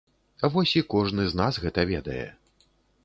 Вось і кожны з нас гэта ведае.